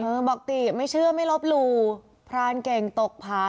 บอกติไม่เชื่อไม่ลบหลู่พรานเก่งตกผา